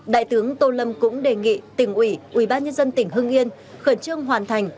đại tướng tô lâm cũng đề nghị tỉnh ủy ubnd tỉnh hưng yên khẩn trương hoàn thành